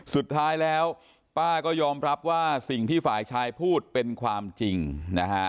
สุดท้ายแล้วป้าก็ยอมรับว่าสิ่งที่ฝ่ายชายพูดเป็นความจริงนะฮะ